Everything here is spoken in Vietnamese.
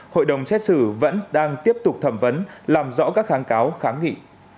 hội đồng xét xử vẫn đang tiếp tục thẩm vấn làm rõ các kháng cáo kháng nghị